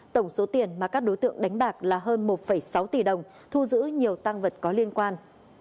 tổng số tiền mà các đối tượng đánh bạc là hơn một sáu tỷ đồng thu giữ nhiều tăng vật có liên quan